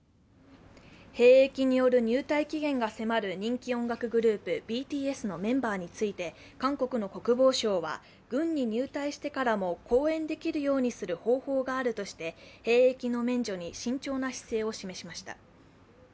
兵役による入隊期限が迫る人気音楽グループ、ＢＴＳのメンバーについて、韓国の国防相は、軍に入隊してからも公演できるようにする方法があるとして兵役の免除に慎重な姿勢を示しました。